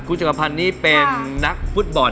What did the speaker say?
คุณจักรพันธ์นี่เป็นนักฟุตบอล